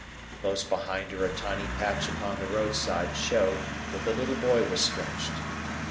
Close behind her a tiny patch upon the roadside showed where the little boy was stretched.